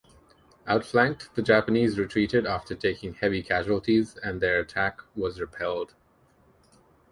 Outflanked, the Japanese retreated after taking heavy casualties, and their attack was repelled.